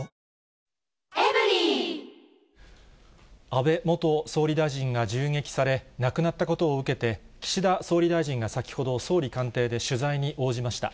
安倍元総理大臣が銃撃され、亡くなったことを受けて、岸田総理大臣が先ほど、総理官邸で取材に応じました。